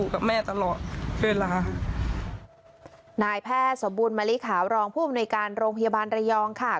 ปฏิบันดาลองผู้อำนวยการโรงพยาบาลระยองค่ะ